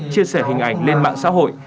chia sẻ hình ảnh lên mạng xã hội